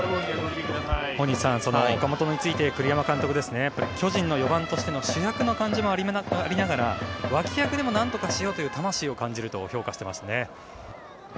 大西さん、岡本について栗山監督ですが巨人の４番としての主役の感じもありながら脇役でもなんとかしようという魂を感じると評価していますね。